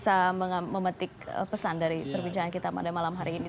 semoga kita semua bisa memetik pesan dari perbincangan kita pada malam hari ini